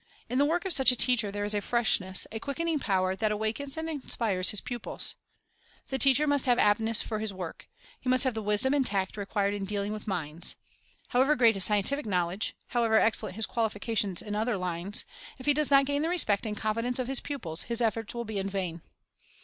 In the work of such a teacher there is a freshness, a quickening power, that awakens and inspires his pupils. The teacher must have aptness for his work. He must have the wisdom and tact required in dealing with Preparation 279 minds. However great his scientific knowledge, how ever excellent his qualifications in other lines, if he does not gain the respect and confidence of his pupils, his efforts will be in vain.